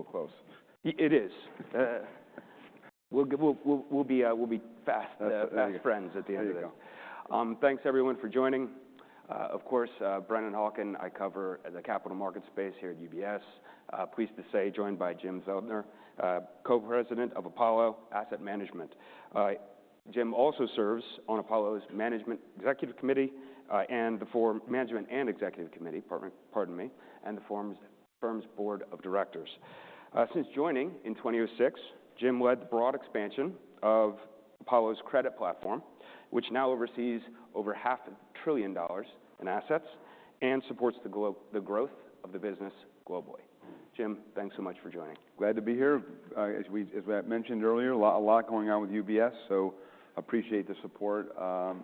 It's a little close. It is. We'll be fast friends at the end of this. There you go. Thanks, everyone, for joining. Of course, Brennan Hawken. I cover the capital market space here at UBS. Pleased to say joined by Jim Zelter, Co-President of Apollo Asset Management. Jim also serves on Apollo's Management Executive Committee and the Forum Management and Executive Committee, pardon me, and the firm's Board of Directors. Since joining in 2006, Jim led the broad expansion of Apollo's credit platform, which now oversees over $500 billion in assets and supports the growth of the business globally. Jim, thanks so much for joining. Glad to be here. As we mentioned earlier, a lot going on with UBS, so appreciate the support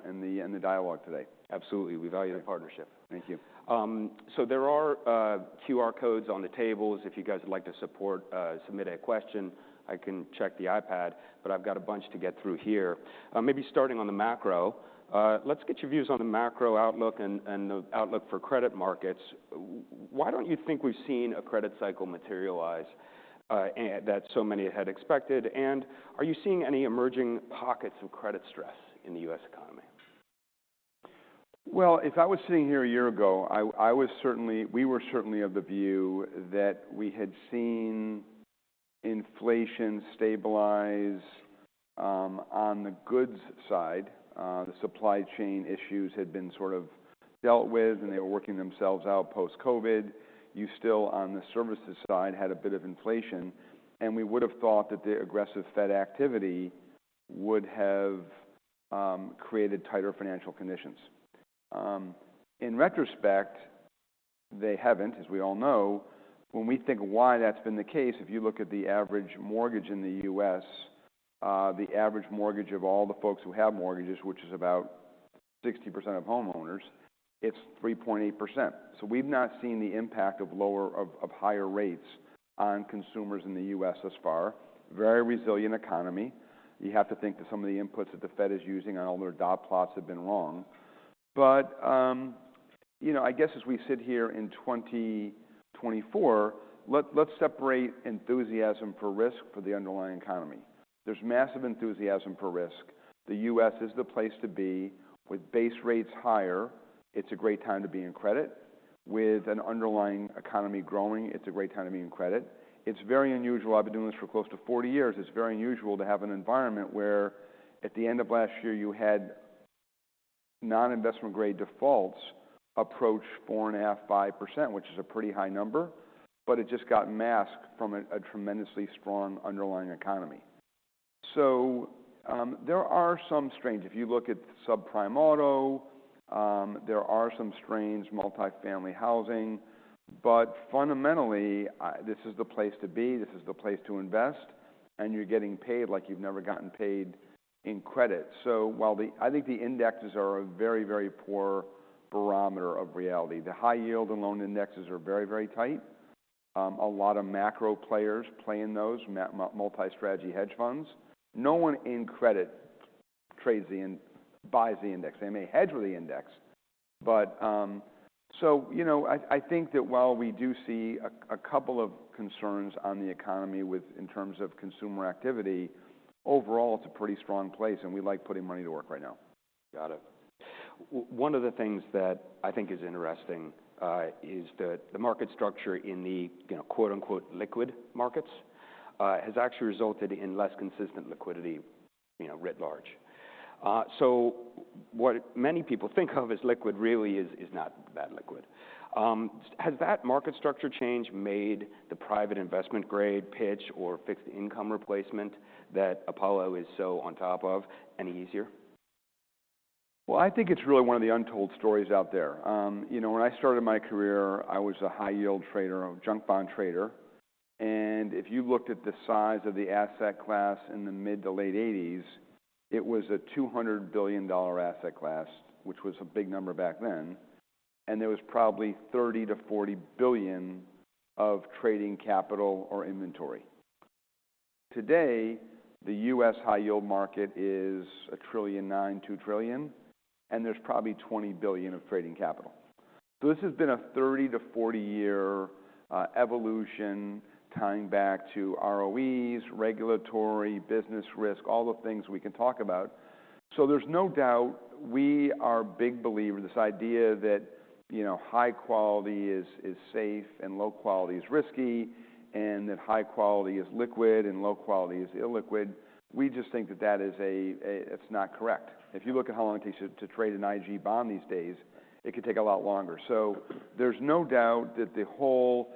and the dialogue today. Absolutely. We value the partnership. Thank you. So there are QR codes on the tables. If you guys would like to submit a question, I can check the iPad, but I've got a bunch to get through here. Maybe starting on the macro, let's get your views on the macro outlook and the outlook for credit markets. Why don't you think we've seen a credit cycle materialize that so many had expected? And are you seeing any emerging pockets of credit stress in the U.S. economy? Well, if I was sitting here a year ago, we were certainly of the view that we had seen inflation stabilize on the goods side. The supply chain issues had been sort of dealt with, and they were working themselves out post-COVID. You still, on the services side, had a bit of inflation. And we would have thought that the aggressive Fed activity would have created tighter financial conditions. In retrospect, they haven't, as we all know. When we think why that's been the case, if you look at the average mortgage in the U.S., the average mortgage of all the folks who have mortgages, which is about 60% of homeowners, it's 3.8%. So we've not seen the impact of higher rates on consumers in the U.S. thus far. Very resilient economy. You have to think that some of the inputs that the Fed is using on all their dot plots have been wrong. But I guess as we sit here in 2024, let's separate enthusiasm for risk for the underlying economy. There's massive enthusiasm for risk. The U.S. is the place to be. With base rates higher, it's a great time to be in credit. With an underlying economy growing, it's a great time to be in credit. It's very unusual. I've been doing this for close to 40 years. It's very unusual to have an environment where at the end of last year you had non-investment grade defaults approach 4.5%, which is a pretty high number, but it just got masked from a tremendously strong underlying economy. So there are some strains. If you look at subprime auto, there are some strains, multifamily housing. But fundamentally, this is the place to be. This is the place to invest. And you're getting paid like you've never gotten paid in credit. So while I think the indexes are a very, very poor barometer of reality, the high yield and loan indexes are very, very tight. A lot of macro players play in those, multi-strategy hedge funds. No one in credit buys the index. They may hedge with the index. But so, you know, I think that while we do see a couple of concerns on the economy in terms of consumer activity, overall it's a pretty strong place. And we like putting money to work right now. Got it. One of the things that I think is interesting is that the market structure in the "liquid" markets has actually resulted in less consistent liquidity writ large. So what many people think of as liquid really is not that liquid. Has that market structure change made the private investment grade pitch or fixed income replacement that Apollo is so on top of any easier? Well, I think it's really one of the untold stories out there. When I started my career, I was a high yield trader, a junk bond trader. And if you looked at the size of the asset class in the mid- to late 1980s, it was a $200 billion asset class, which was a big number back then. And there was probably $30-$40 billion of trading capital or inventory. Today, the U.S. high yield market is $1.9 trillion-$2 trillion, and there's probably $20 billion of trading capital. So this has been a 30-40-year evolution tying back to ROEs, regulatory, business risk, all the things we can talk about. So there's no doubt we are big believers in this idea that high quality is safe and low quality is risky and that high quality is liquid and low quality is illiquid. We just think that that is, it's not correct. If you look at how long it takes you to trade an IG bond these days, it could take a lot longer. So there's no doubt that the whole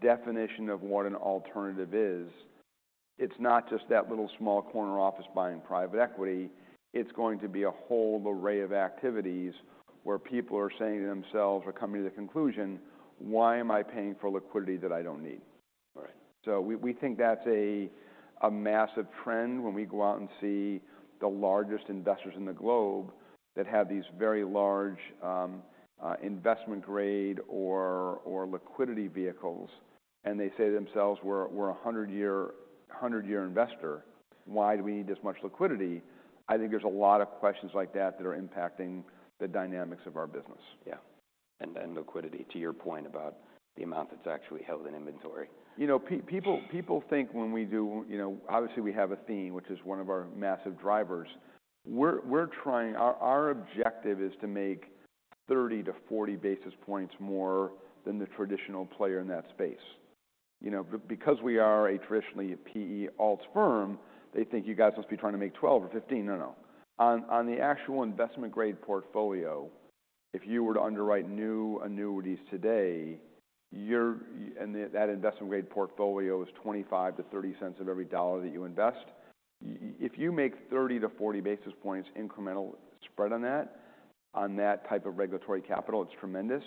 definition of what an alternative is, it's not just that little small corner office buying private equity. It's going to be a whole array of activities where people are saying to themselves or coming to the conclusion, why am I paying for liquidity that I don't need? Right. So we think that's a massive trend when we go out and see the largest investors in the globe that have these very large investment grade or liquidity vehicles and they say to themselves, we're a 100-year investor, why do we need this much liquidity? I think there's a lot of questions like that that are impacting the dynamics of our business. Yeah. And liquidity, to your point about the amount that's actually held in inventory. You know, people think when we do obviously we have a theme, which is one of our massive drivers. We're trying our objective is to make 30-40 basis points more than the traditional player in that space. Because we are a traditionally a PE alts firm, they think you guys must be trying to make 12 or 15. No, no. On the actual investment grade portfolio, if you were to underwrite new annuities today, and that investment grade portfolio is $0.25-$0.30 of every dollar that you invest, if you make 30-40 basis points incremental spread on that, on that type of regulatory capital, it's tremendous.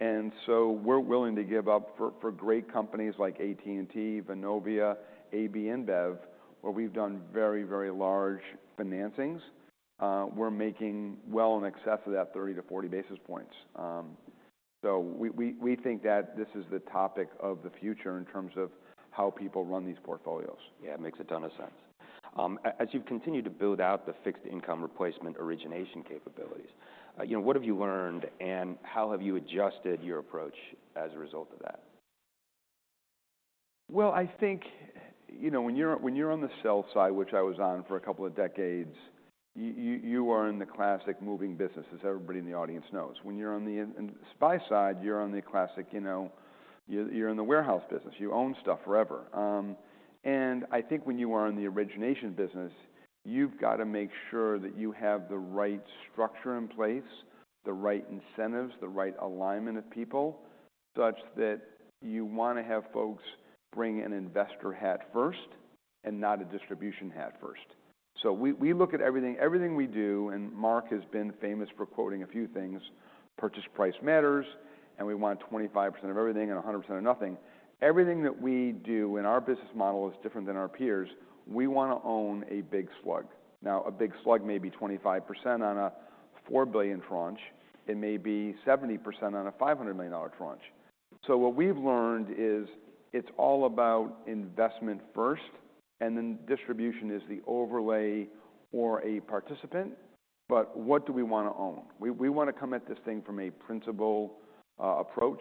And so we're willing to give up for great companies like AT&T, Vonovia, AB InBev, where we've done very, very large financings, we're making well in excess of that 30-40 basis points. We think that this is the topic of the future in terms of how people run these portfolios. Yeah, it makes a ton of sense. As you've continued to build out the fixed income replacement origination capabilities, what have you learned and how have you adjusted your approach as a result of that? Well, I think when you're on the sell side, which I was on for a couple of decades, you are in the classic moving business, as everybody in the audience knows. When you're on the buy side, you're in the classic warehouse business. You own stuff forever. And I think when you are in the origination business, you've got to make sure that you have the right structure in place, the right incentives, the right alignment of people such that you want to have folks bring an investor hat first and not a distribution hat first. So we look at everything we do, and Marc has been famous for quoting a few things, purchase price matters, and we want 25% of everything and 100% of nothing. Everything that we do in our business model is different than our peers. We want to own a big slug. Now, a big slug may be 25% on a $4 billion tranche. It may be 70% on a $500 million tranche. So what we've learned is it's all about investment first, and then distribution is the overlay or a participant. But what do we want to own? We want to come at this thing from a principal approach.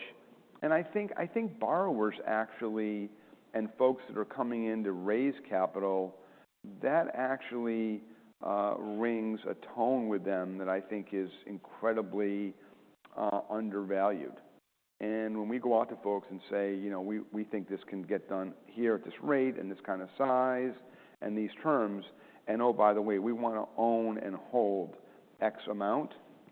And I think borrowers actually and folks that are coming in to raise capital, that actually rings a tone with them that I think is incredibly undervalued. And when we go out to folks and say, we think this can get done here at this rate and this kind of size and these terms, and oh, by the way, we want to own and hold X amount,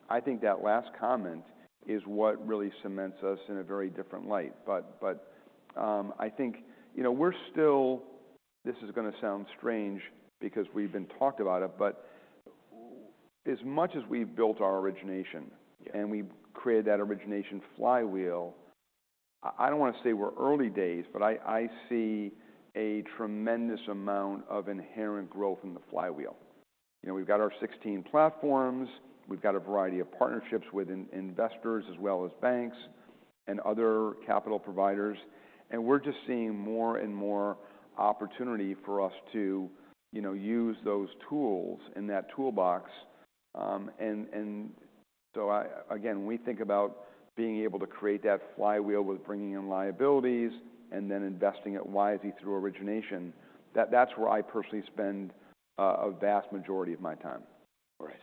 I think that last comment is what really cements us in a very different light. But I think this is going to sound strange because we've talked about it, but as much as we've built our origination and we've created that origination flywheel, I don't want to say we're early days, but I see a tremendous amount of inherent growth in the flywheel. We've got our 16 platforms. We've got a variety of partnerships with investors as well as banks and other capital providers. And we're just seeing more and more opportunity for us to use those tools in that toolbox. And so again, we think about being able to create that flywheel with bringing in liabilities and then investing it wisely through origination. That's where I personally spend a vast majority of my time. Right.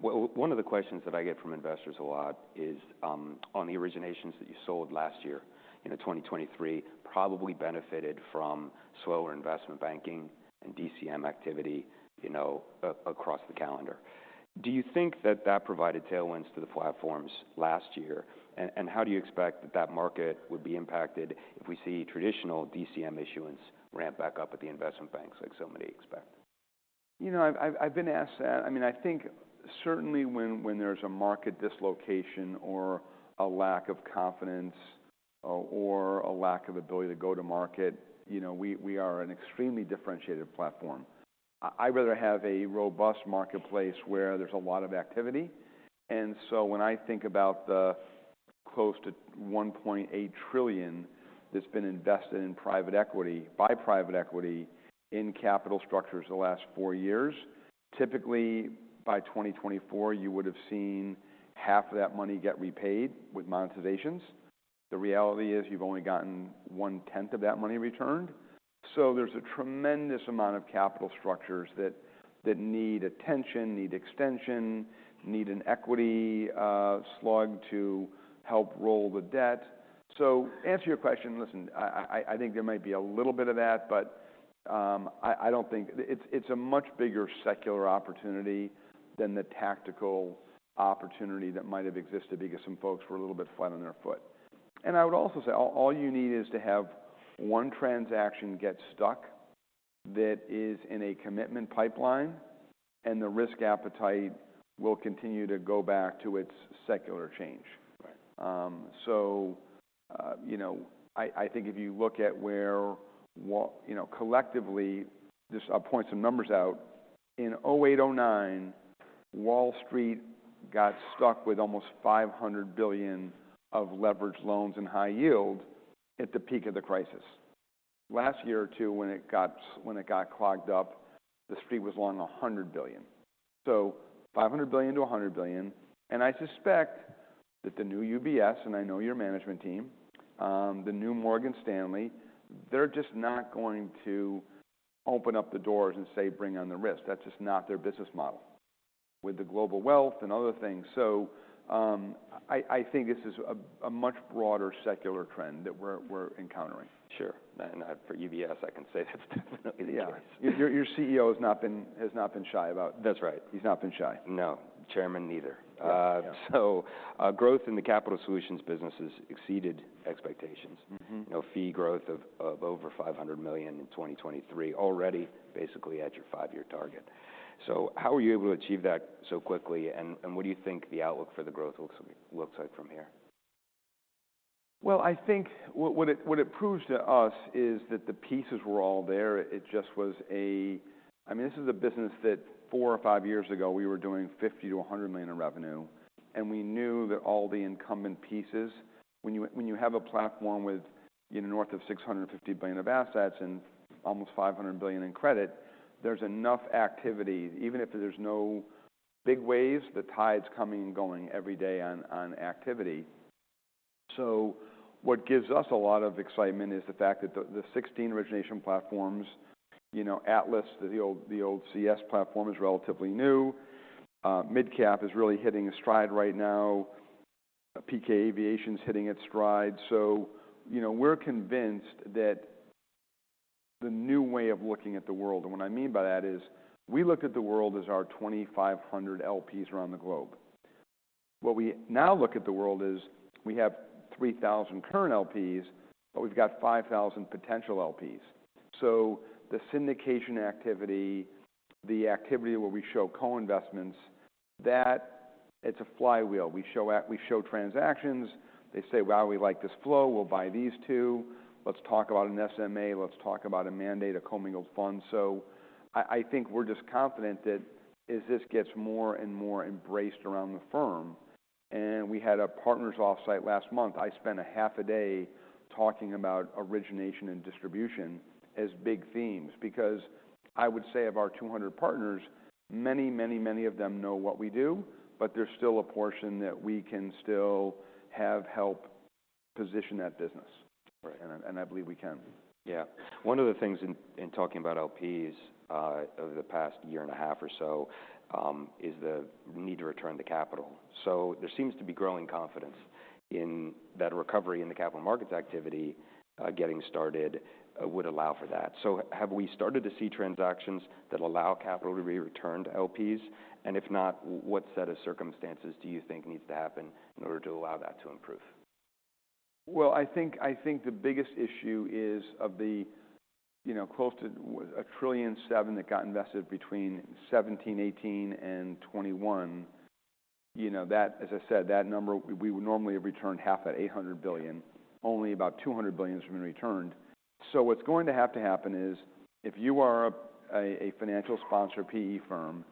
One of the questions that I get from investors a lot is on the originations that you sold last year in 2023 probably benefited from slower investment banking and DCM activity across the calendar. Do you think that that provided tailwinds to the platforms last year? And how do you expect that that market would be impacted if we see traditional DCM issuance ramp back up at the investment banks like so many expect? You know, I've been asked that. I mean, I think certainly when there's a market dislocation or a lack of confidence or a lack of ability to go to market, we are an extremely differentiated platform. I rather have a robust marketplace where there's a lot of activity. And so when I think about the close to $1.8 trillion that's been invested in private equity by private equity in capital structures the last four years, typically by 2024, you would have seen half of that money get repaid with monetizations. The reality is you've only gotten one-tenth of that money returned. So there's a tremendous amount of capital structures that need attention, need extension, need an equity slug to help roll the debt. So to answer your question, listen, I think there might be a little bit of that, but I don't think it's a much bigger secular opportunity than the tactical opportunity that might have existed because some folks were a little bit flat on their foot. And I would also say all you need is to have one transaction get stuck that is in a commitment pipeline and the risk appetite will continue to go back to its secular change. So I think if you look at where collectively I'll point some numbers out. In 2008, 2009, Wall Street got stuck with almost $500 billion of leveraged loans and high yield at the peak of the crisis. Last year or two when it got clogged up, the street was long $100 billion. So $500 billion to $100 billion. I suspect that the new UBS and I know your management team, the new Morgan Stanley, they're just not going to open up the doors and say, bring on the risk. That's just not their business model. With the global wealth and other things. I think this is a much broader secular trend that we're encountering. Sure. For UBS, I can say that's definitely the case. Yeah. Your CEO has not been shy about. That's right. He's not been shy. No. Chairman neither. So, growth in the capital solutions business has exceeded expectations. Fee growth of over $500 million in 2023 already basically at your five-year target. So, how were you able to achieve that so quickly? And what do you think the outlook for the growth looks like from here? Well, I think what it proves to us is that the pieces were all there. It just was. I mean, this is a business that four or five years ago we were doing $50 million-$100 million in revenue. And we knew that all the incumbent pieces, when you have a platform with north of $650 billion of assets and almost $500 billion in credit, there's enough activity even if there's no big waves, the tide's coming and going every day on activity. So what gives us a lot of excitement is the fact that the 16 origination platforms, Atlas, the old CS platform, is relatively new. MidCap is really hitting a stride right now. PK AirFinance's hitting its stride. So we're convinced that the new way of looking at the world and what I mean by that is we looked at the world as our 2,500 LPs around the globe. What we now look at the world is we have 3,000 current LPs, but we've got 5,000 potential LPs. So the syndication activity, the activity where we show co-investments, that it's a flywheel. We show transactions. They say, wow, we like this flow. We'll buy these two. Let's talk about an SMA. Let's talk about a mandate, a co-mingled fund. So, I think we're just confident that as this gets more and more embraced around the firm and we had a partners' offsite last month, I spent half a day talking about origination and distribution as big themes because I would say of our 200 partners, many, many, many of them know what we do, but there's still a portion that we can still help position that business. I believe we can. Yeah. One of the things in talking about LPs over the past year and a half or so is the need to return the capital. So there seems to be growing confidence in that recovery in the capital markets activity getting started would allow for that. So have we started to see transactions that allow capital to be returned to LPs? And if not, what set of circumstances do you think needs to happen in order to allow that to improve? Well, I think the biggest issue is of the close to $1.7 trillion that got invested between 2017, 2018, and 2021, that as I said, that number we would normally have returned half that $800 billion. Only about $200 billion has been returned. So what's going to have to happen is if you are a financial sponsor PE firm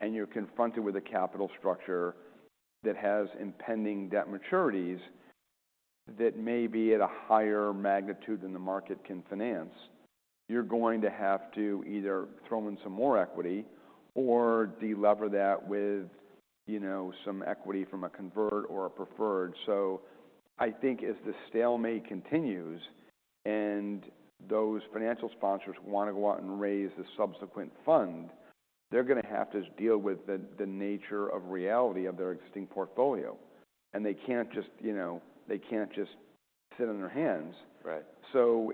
and you're confronted with a capital structure that has impending debt maturities that may be at a higher magnitude than the market can finance, you're going to have to either throw in some more equity or delever that with some equity from a convert or a preferred. So I think as this stalemate continues and those financial sponsors want to go out and raise the subsequent fund, they're going to have to deal with the nature of reality of their existing portfolio. They can't just sit on their hands. So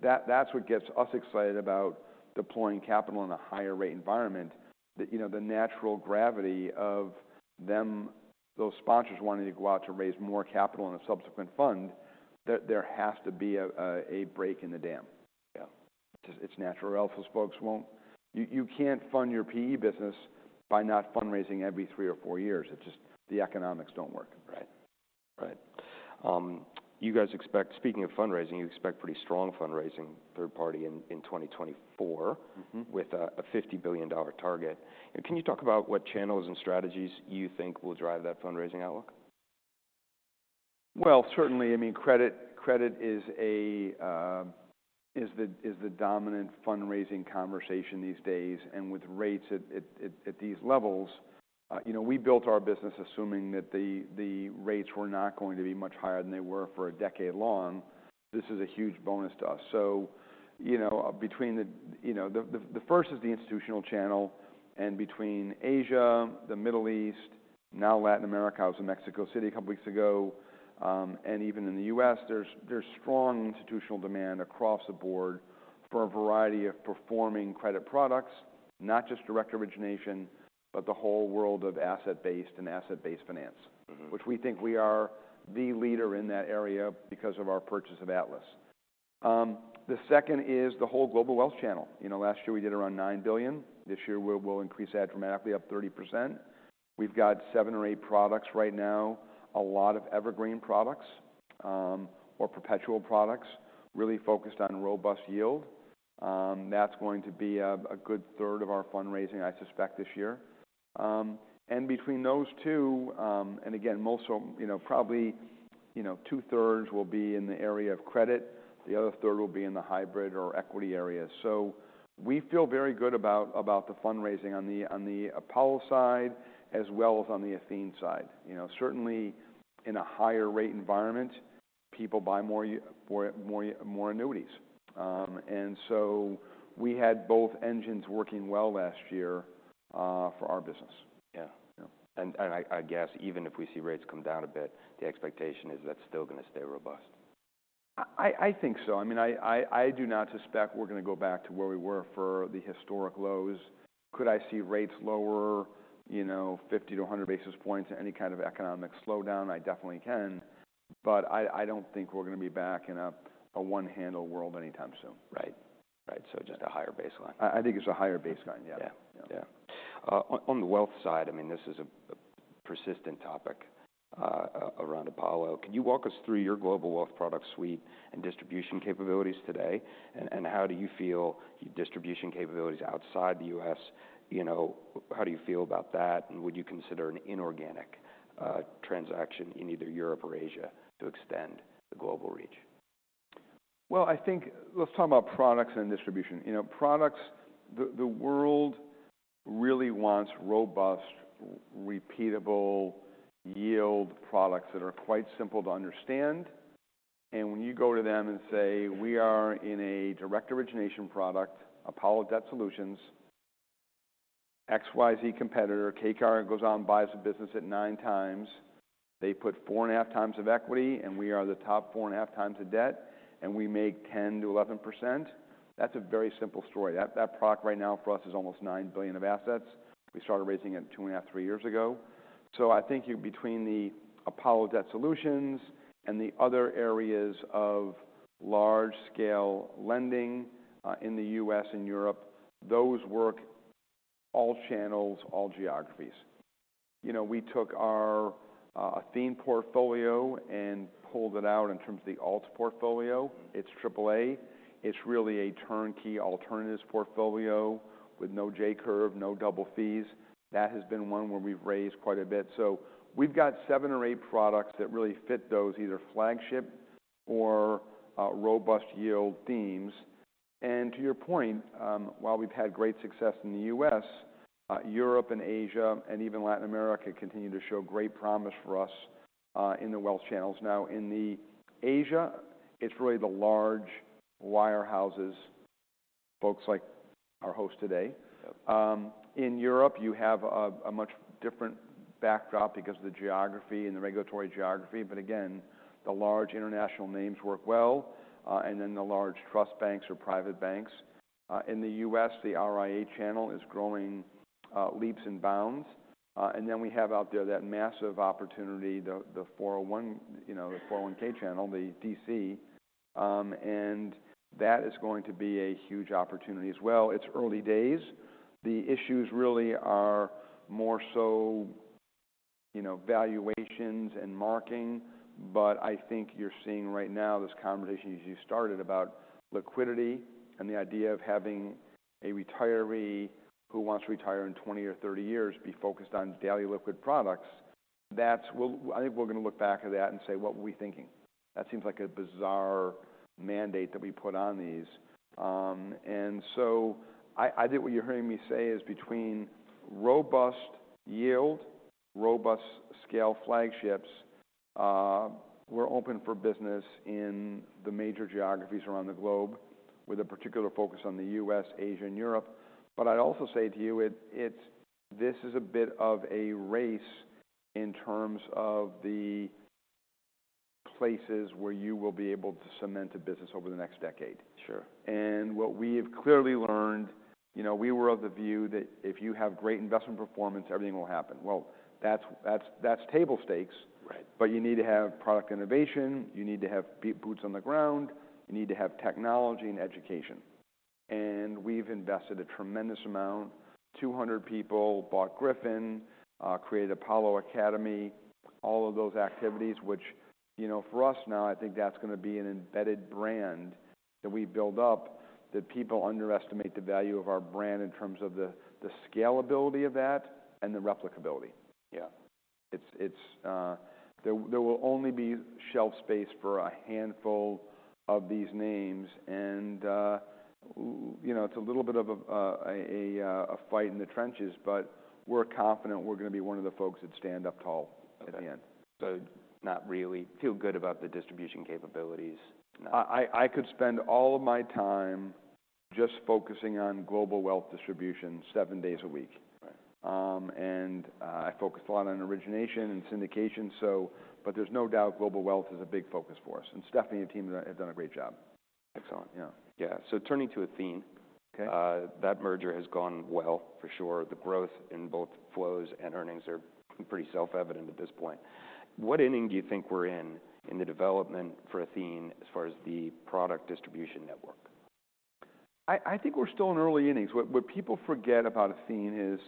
that's what gets us excited about deploying capital in a higher rate environment, the natural gravity of those sponsors wanting to go out to raise more capital in a subsequent fund. There has to be a break in the dam. Yeah. It's natural. Or else, folks, you can't fund your PE business by not fundraising every three or four years. It's just the economics don't work. Right. Right. You guys expect, speaking of fundraising, you expect pretty strong fundraising third-party in 2024 with a $50 billion target. Can you talk about what channels and strategies you think will drive that fundraising outlook? Well, certainly. I mean, credit is the dominant fundraising conversation these days. And with rates at these levels, we built our business assuming that the rates were not going to be much higher than they were for a decade long. This is a huge bonus to us. So between the first is the institutional channel and between Asia, the Middle East, now Latin America. I was in Mexico City a couple of weeks ago. And even in the U.S., there's strong institutional demand across the board for a variety of performing credit products, not just direct origination, but the whole world of asset-based and asset-based finance, which we think we are the leader in that area because of our purchase of Atlas. The second is the whole global wealth channel. Last year we did around $9 billion. This year we'll increase that dramatically up 30%. We've got seven or eight products right now, a lot of evergreen products or perpetual products really focused on robust yield. That's going to be a good third of our fundraising, I suspect, this year. Between those two, and again, most probably two-thirds will be in the area of credit. The other third will be in the hybrid or equity areas. We feel very good about the fundraising on the Apollo side as well as on the Athene side. Certainly in a higher rate environment, people buy more annuities. So we had both engines working well last year for our business. Yeah. I guess even if we see rates come down a bit, the expectation is that's still going to stay robust. I think so. I mean, I do not suspect we're going to go back to where we were for the historic lows. Could I see rates lower, 50-100 basis points, any kind of economic slowdown? I definitely can. But I don't think we're going to be back in a one-handle world anytime soon. Right. Right. So just a higher baseline. I think it's a higher baseline. Yeah. Yeah. Yeah. On the wealth side, I mean, this is a persistent topic around Apollo. Can you walk us through your global wealth product suite and distribution capabilities today? And how do you feel distribution capabilities outside the U.S., how do you feel about that? And would you consider an inorganic transaction in either Europe or Asia to extend the global reach? Well, I think let's talk about products and distribution. Products, the world really wants robust, repeatable yield products that are quite simple to understand. And when you go to them and say, we are in a direct origination product, Apollo Debt Solutions, XYZ competitor, KKR goes on, buys the business at 9x. They put 4.5x of equity and we are the top 4.5x of debt and we make 10%-11%. That's a very simple story. That product right now for us is almost $9 billion of assets. We started raising it 2.5-3 years ago. So I think between the Apollo Debt Solutions and the other areas of large-scale lending in the US and Europe, those work all channels, all geographies. We took our Athene portfolio and pulled it out in terms of the ALT portfolio. It's AAA. It's really a turnkey alternatives portfolio with no J-curve, no double fees. That has been one where we've raised quite a bit. So we've got 7 or 8 products that really fit those either flagship or robust yield themes. And to your point, while we've had great success in the U.S., Europe, and Asia, and even Latin America continue to show great promise for us in the wealth channels. Now in Asia, it's really the large wirehouses, folks like our host today. In Europe, you have a much different backdrop because of the geography and the regulatory geography. But again, the large international names work well, and then the large trust banks or private banks. In the U.S., the RIA channel is growing leaps and bounds. And then we have out there that massive opportunity, the 401(k) channel, the DC. That is going to be a huge opportunity as well. It's early days. The issues really are more so valuations and marking. I think you're seeing right now this conversation as you started about liquidity and the idea of having a retiree who wants to retire in 20 or 30 years be focused on daily liquid products. That's, I think, we're going to look back at that and say, what were we thinking? That seems like a bizarre mandate that we put on these. I think what you're hearing me say is between robust yield, robust-scale flagships, we're open for business in the major geographies around the globe with a particular focus on the U.S., Asia, and Europe. But I'd also say to you, this is a bit of a race in terms of the places where you will be able to cement a business over the next decade. And what we have clearly learned, we were of the view that if you have great investment performance, everything will happen. Well, that's table stakes. But you need to have product innovation. You need to have boots on the ground. You need to have technology and education. And we've invested a tremendous amount. 200 people bought Griffin, created Apollo Academy, all of those activities, which for us now, I think that's going to be an embedded brand that we build up that people underestimate the value of our brand in terms of the scalability of that and the replicability. There will only be shelf space for a handful of these names. It's a little bit of a fight in the trenches, but we're confident we're going to be one of the folks that stand up tall at the end. So, not really feel good about the distribution capabilities? I could spend all of my time just focusing on global wealth distribution seven days a week. I focus a lot on origination and syndication. There's no doubt global wealth is a big focus for us. Stephanie and the team have done a great job. Excellent. Yeah. Yeah. So turning to Athene, that merger has gone well for sure. The growth in both flows and earnings are pretty self-evident at this point. What inning do you think we're in in the development for Athene as far as the product distribution network? I think we're still in early innings. What people forget about Athene is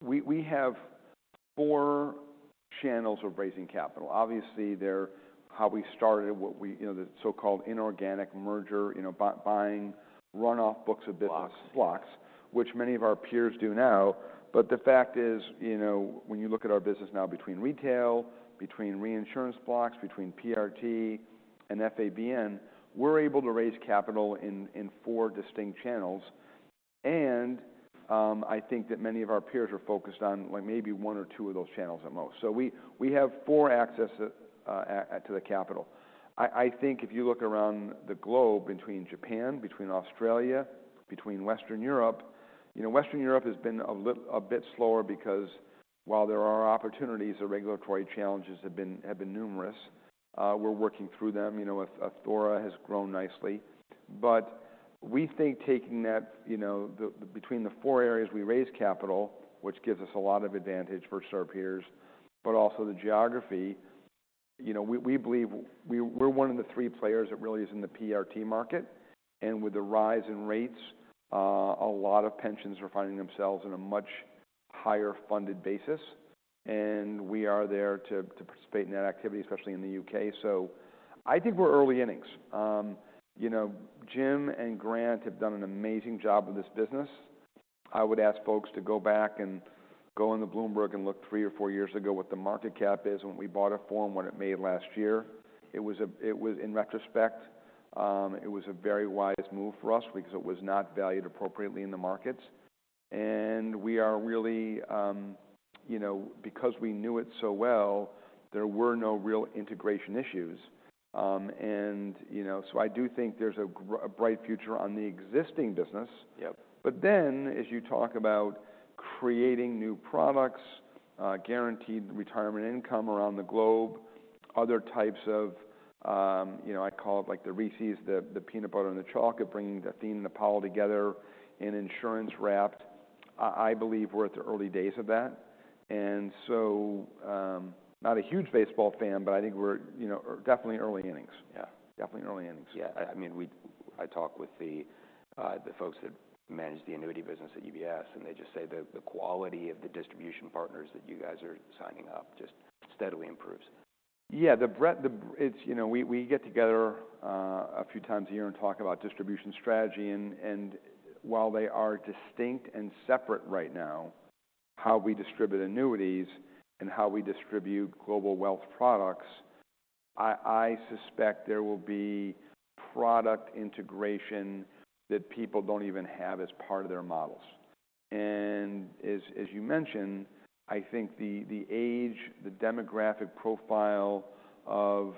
we have four channels of raising capital. Obviously, they're how we started, the so-called inorganic merger, buying runoff books of business. Blocks. Blocks, which many of our peers do now. But the fact is when you look at our business now between retail, between reinsurance blocks, between PRT and FABN, we're able to raise capital in four distinct channels. And I think that many of our peers are focused on maybe one or two of those channels at most. So we have four access to the capital. I think if you look around the globe between Japan, between Australia, between Western Europe, Western Europe has been a bit slower because while there are opportunities, the regulatory challenges have been numerous. We're working through them. Athora has grown nicely. But we think taking that between the four areas we raise capital, which gives us a lot of advantage versus our peers, but also the geography, we believe we're one of the three players that really is in the PRT market. With the rise in rates, a lot of pensions are finding themselves in a much higher funded basis. And we are there to participate in that activity, especially in the U.K. So I think we're early innings. Jim and Grant have done an amazing job with this business. I would ask folks to go back and go on the Bloomberg and look three or four years ago what the market cap is and what we bought it for and what it made last year. In retrospect, it was a very wise move for us because it was not valued appropriately in the markets. And we are really because we knew it so well, there were no real integration issues. And so I do think there's a bright future on the existing business. But then as you talk about creating new products, guaranteed retirement income around the globe, other types of I call it like the Reese's, the peanut butter and the chocolate, bringing Athene and Apollo together in insurance wrapped, I believe we're at the early days of that. And so not a huge baseball fan, but I think we're definitely early innings. Definitely early innings. Yeah. I mean, I talk with the folks that manage the annuity business at UBS and they just say the quality of the distribution partners that you guys are signing up just steadily improves. Yeah. We get together a few times a year and talk about distribution strategy. And while they are distinct and separate right now, how we distribute annuities and how we distribute global wealth products, I suspect there will be product integration that people don't even have as part of their models. And as you mentioned, I think the age, the demographic profile of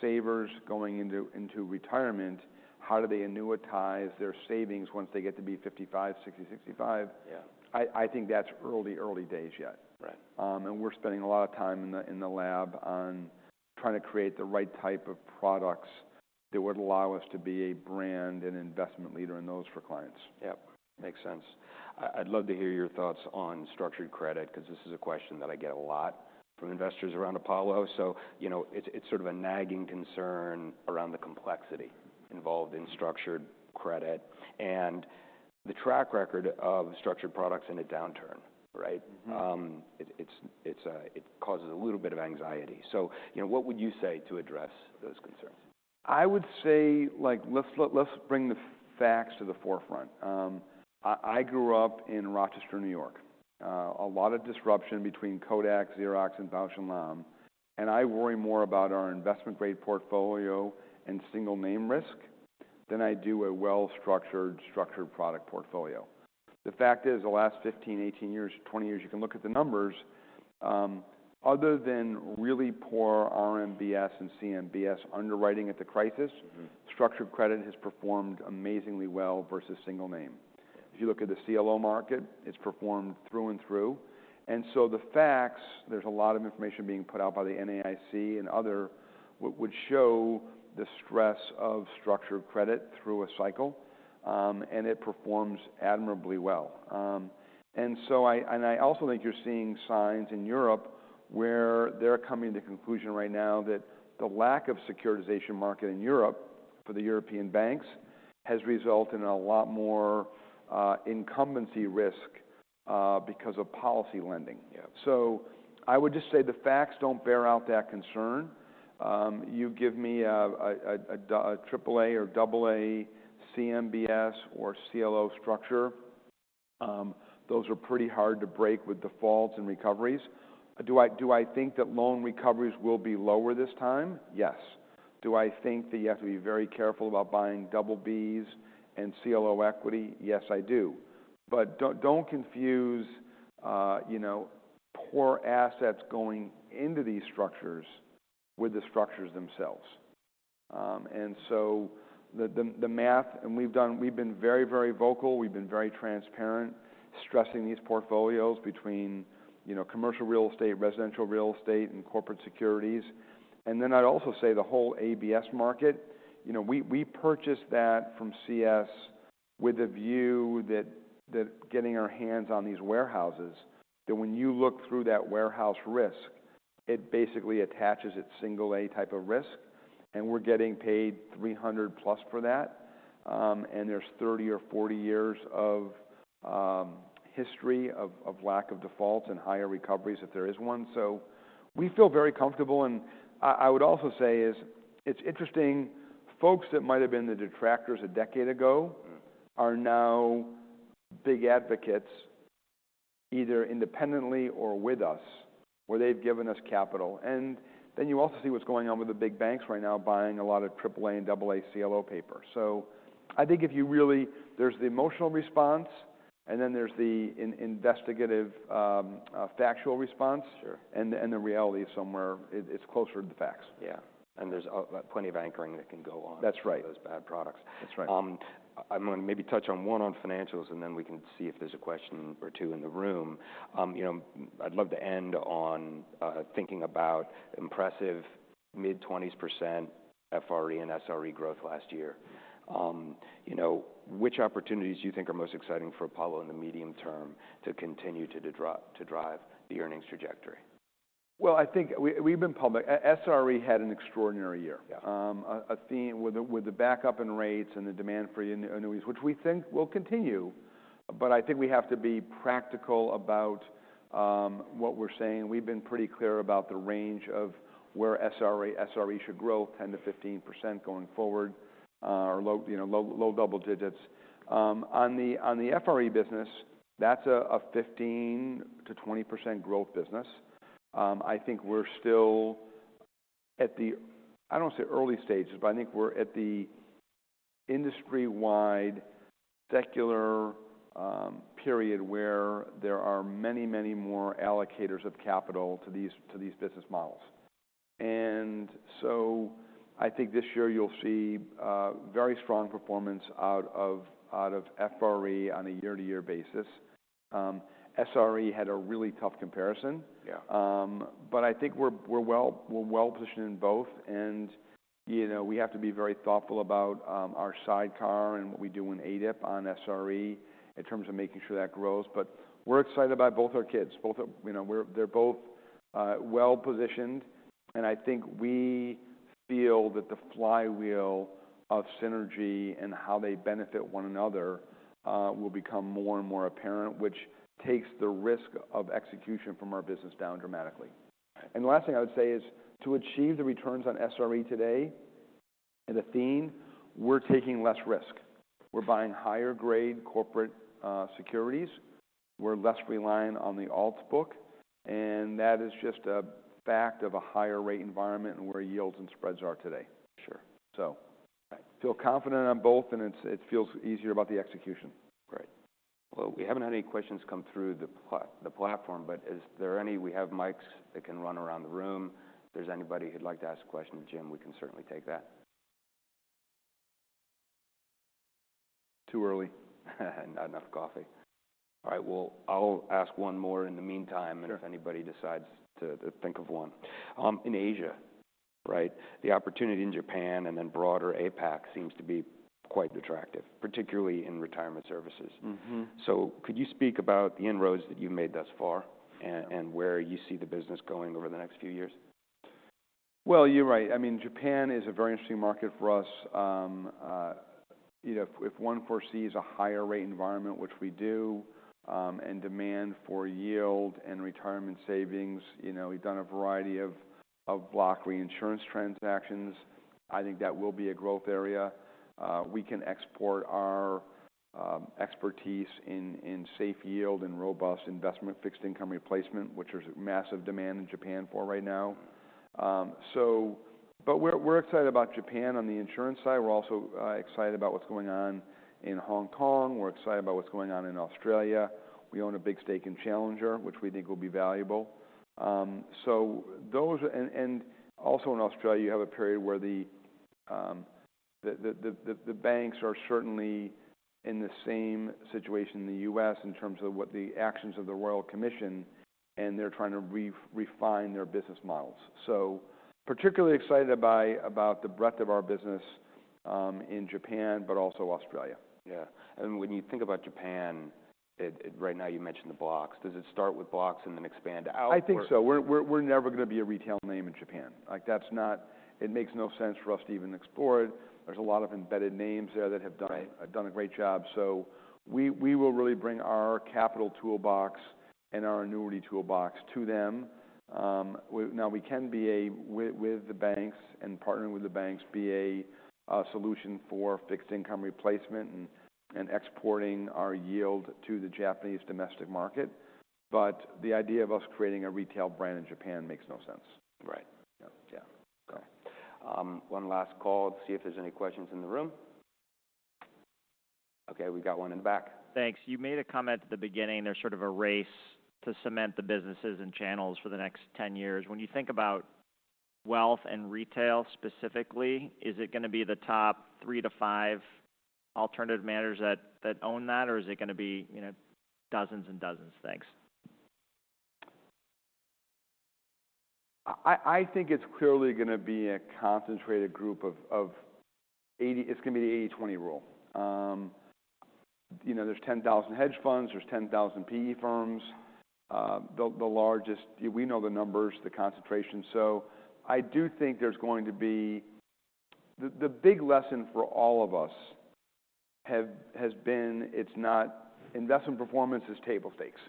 savers going into retirement, how do they annuitize their savings once they get to be 55, 60, 65? I think that's early, early days yet. And we're spending a lot of time in the lab on trying to create the right type of products that would allow us to be a brand and investment leader in those for clients. Yep. Makes sense. I'd love to hear your thoughts on structured credit because this is a question that I get a lot from investors around Apollo. So it's sort of a nagging concern around the complexity involved in structured credit and the track record of structured products in a downturn, right? It causes a little bit of anxiety. So what would you say to address those concerns? I would say let's bring the facts to the forefront. I grew up in Rochester, New York. A lot of disruption between Kodak, Xerox, and Bausch & Lomb. And I worry more about our investment-grade portfolio and single-name risk than I do a well-structured, structured product portfolio. The fact is, the last 15, 18 years, 20 years, you can look at the numbers. Other than really poor RMBS and CMBS underwriting at the crisis, structured credit has performed amazingly well versus single-name. If you look at the CLO market, it's performed through and through. And so the facts, there's a lot of information being put out by the NAIC and others would show the stress of structured credit through a cycle. And it performs admirably well. And so I also think you're seeing signs in Europe where they're coming to the conclusion right now that the lack of securitization market in Europe for the European banks has resulted in a lot more incumbency risk because of policy lending. So I would just say the facts don't bear out that concern. You give me a AAA or AA CMBS or CLO structure, those are pretty hard to break with defaults and recoveries. Do I think that loan recoveries will be lower this time? Yes. Do I think that you have to be very careful about buying BBs and CLO equity? Yes, I do. But don't confuse poor assets going into these structures with the structures themselves. And so the math, and we've been very, very vocal, we've been very transparent stressing these portfolios between commercial real estate, residential real estate, and corporate securities. And then I'd also say the whole ABS market, we purchased that from CS with the view that getting our hands on these warehouses, that when you look through that warehouse risk, it basically attaches its single-A type of risk. And we're getting paid 300+ for that. And there's 30 or 40 years of history of lack of defaults and higher recoveries if there is one. So we feel very comfortable. And I would also say is it's interesting, folks that might have been the detractors a decade ago are now big advocates either independently or with us where they've given us capital. And then you also see what's going on with the big banks right now buying a lot of AAA and AA CLO paper. I think if you really, there's the emotional response and then there's the investigative factual response, and the reality somewhere. It's closer to the facts. Yeah. And there's plenty of anchoring that can go on. That's right. Those bad products. That's right. I'm going to maybe touch on one on financials and then we can see if there's a question or two in the room. I'd love to end on thinking about impressive mid-20s% FRE and SRE growth last year. Which opportunities do you think are most exciting for Apollo in the medium term to continue to drive the earnings trajectory? Well, I think we've been public. SRE had an extraordinary year. Athene, with the backup in rates and the demand for annuities, which we think will continue. But I think we have to be practical about what we're saying. We've been pretty clear about the range of where SRE, SRE should grow, 10%-15% going forward or low double digits. On the FRE business, that's a 15%-20% growth business. I think we're still at the I don't want to say early stages, but I think we're at the industry-wide secular period where there are many, many more allocators of capital to these business models. And so I think this year you'll see very strong performance out of FRE on a year-to-year basis. SRE had a really tough comparison. But I think we're well positioned in both. And we have to be very thoughtful about our sidecar and what we do in ADIP on SRE in terms of making sure that grows. But we're excited about both our kids. They're both well positioned. And I think we feel that the flywheel of synergy and how they benefit one another will become more and more apparent, which takes the risk of execution from our business down dramatically. And the last thing I would say is to achieve the returns on SRE today at Athene, we're taking less risk. We're buying higher-grade corporate securities. We're less relying on the alt book. And that is just a fact of a higher-rate environment and where yields and spreads are today. So feel confident on both and it feels easier about the execution. Great. Well, we haven't had any questions come through the platform, but is there any? We have mics that can run around the room. If there's anybody who'd like to ask a question to Jim, we can certainly take that. Too early. Not enough coffee. All right. Well, I'll ask one more in the meantime and if anybody decides to think of one. In Asia, right, the opportunity in Japan and then broader APAC seems to be quite attractive, particularly in retirement services. So could you speak about the inroads that you've made thus far and where you see the business going over the next few years? Well, you're right. I mean, Japan is a very interesting market for us. If one foresees a higher-rate environment, which we do, and demand for yield and retirement savings, we've done a variety of block reinsurance transactions. I think that will be a growth area. We can export our expertise in safe yield and robust investment fixed income replacement, which there's massive demand in Japan for right now. But we're excited about Japan on the insurance side. We're also excited about what's going on in Hong Kong. We're excited about what's going on in Australia. We own a big stake in Challenger, which we think will be valuable. And also in Australia, you have a period where the banks are certainly in the same situation in the U.S. in terms of what the actions of the Royal Commission and they're trying to refine their business models. Particularly excited about the breadth of our business in Japan, but also Australia. Yeah. When you think about Japan, right now you mentioned the blocks. Does it start with blocks and then expand outwards? I think so. We're never going to be a retail name in Japan. It makes no sense for us to even explore it. There's a lot of embedded names there that have done a great job. So we will really bring our capital toolbox and our annuity toolbox to them. Now, we can be a with the banks and partnering with the banks, be a solution for fixed income replacement and exporting our yield to the Japanese domestic market. But the idea of us creating a retail brand in Japan makes no sense. Right. Yeah. Okay. One last call. See if there's any questions in the room. Okay. We've got one in the back. Thanks. You made a comment at the beginning. There's sort of a race to cement the businesses and channels for the next 10 years. When you think about wealth and retail specifically, is it going to be the top three to five alternative managers that own that or is it going to be dozens and dozens? Thanks. I think it's clearly going to be a concentrated group of 80. It's going to be the 80/20 rule. There's 10,000 hedge funds. There's 10,000 PE firms. We know the numbers, the concentration. So I do think there's going to be the big lesson for all of us has been it's not investment performance is table stakes.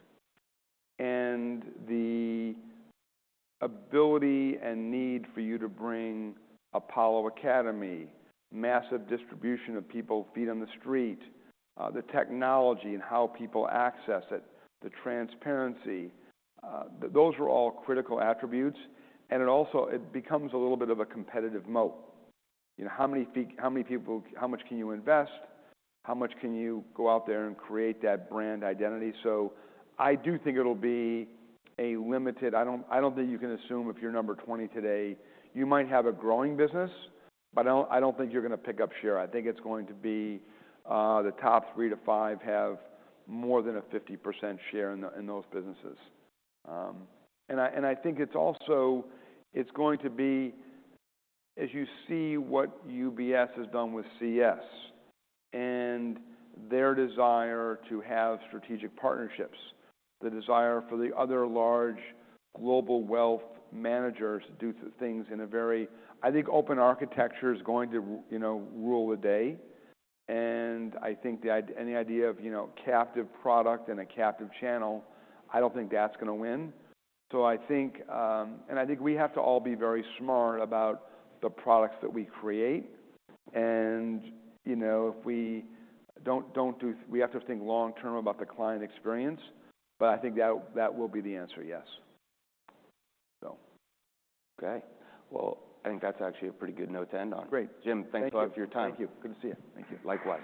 And the ability and need for you to bring Apollo Academy, massive distribution of people feet on the street, the technology and how people access it, the transparency, those are all critical attributes. And it also becomes a little bit of a competitive moat. How many people how much can you invest? How much can you go out there and create that brand identity? So I do think it'll be a limited. I don't think you can assume if you're number 20 today, you might have a growing business, but I don't think you're going to pick up share. I think it's going to be the top 3-5 have more than a 50% share in those businesses. And I think it's also going to be as you see what UBS has done with CS and their desire to have strategic partnerships, the desire for the other large global wealth managers to do things in a very, I think, open architecture is going to rule the day. And I think the idea of captive product and a captive channel, I don't think that's going to win. So I think, and I think we have to all be very smart about the products that we create. If we don't, do we have to think long-term about the client experience. I think that will be the answer, yes. Okay. Well, I think that's actually a pretty good note to end on. Great. Jim, thanks a lot for your time. Thank you. Good to see you. Thank you. Likewise.